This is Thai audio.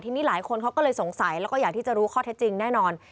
ทีนี้หลายคนเขาก็เลยสงสัยแล้วก็อยากที่จะรู้ข้อเท็จจริงแน่นอน